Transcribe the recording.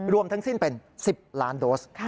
รวมทั้งสิ้นเป็น๑๐ล้านโดส